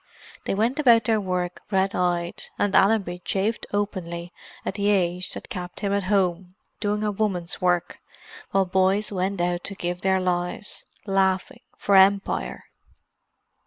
They went about their work red eyed, and Allenby chafed openly at the age that kept him at home, doing a woman's work, while boys went out to give their lives, laughing, for Empire.